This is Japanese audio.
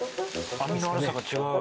網の粗さが違う。